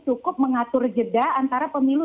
cukup mengatur jeda antara pemilu